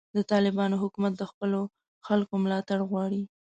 د طالبانو حکومت د خپلو خلکو ملاتړ غواړي.